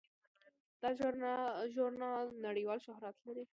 دا ژورنال نړیوال شهرت لري.